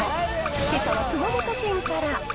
けさは熊本県から。